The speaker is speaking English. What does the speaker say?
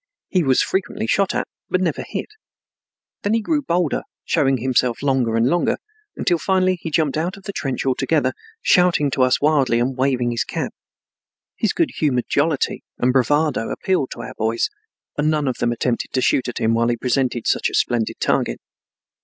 He was frequently shot at, but never hit. Then he grew bolder, showing himself longer and longer, until finally he jumped out of the trench altogether, shouting to us wildly and waving his cap. His good humored jollity and bravado appealed to our boys and none of them attempted to shoot at him while he presented such a splendid target.